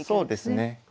そうですね。